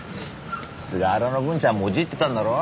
菅原の文ちゃんもじってたんだろ。